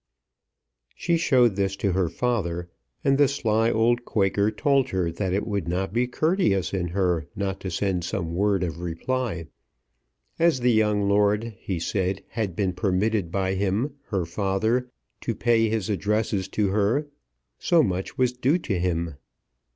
She showed this to her father, and the sly old Quaker told her that it would not be courteous in her not to send some word of reply. As the young lord, he said, had been permitted by him, her father, to pay his addresses to her, so much was due to him.